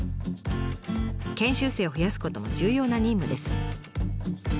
研修生を増やすことも重要な任務です。